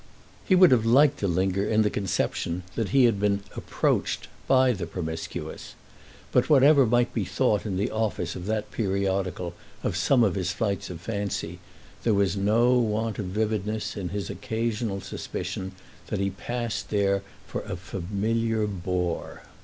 He would have liked to linger in the conception that he had been "approached" by the Promiscuous; but whatever might be thought in the office of that periodical of some of his flights of fancy, there was no want of vividness in his occasional suspicion that he passed there for a familiar bore.